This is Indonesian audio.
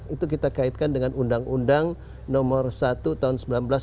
itu kita kaitkan dengan undang undang nomor satu tahun seribu sembilan ratus sembilan puluh